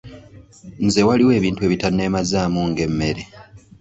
Nze waliwo ebintu ebitanneemazaamu ng’emmere.